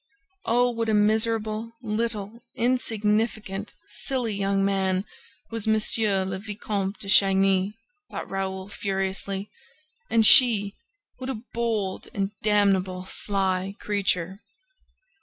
Oh, what a miserable, little, insignificant, silly young man was M. le Vicomte de Chagny! thought Raoul, furiously. And she, what a bold and damnable sly creature!